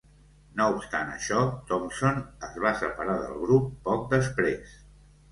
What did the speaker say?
No obstant això, Thompson es va separar del grup poc després.